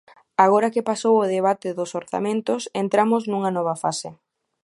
Agora que pasou o debate dos orzamentos entramos nunha nova fase.